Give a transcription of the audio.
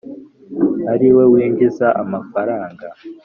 ari we winjiza amafaranga